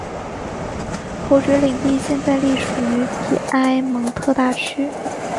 侯爵领地现在隶属于皮埃蒙特大区。